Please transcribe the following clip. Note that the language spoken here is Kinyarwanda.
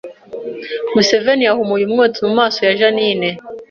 Museveni yahumuye umwotsi mu maso ya Jeaninne